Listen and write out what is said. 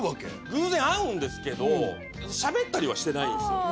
偶然会うんですけどしゃべったりはしてないんですよ